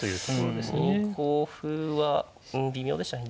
２五歩は微妙でしたね。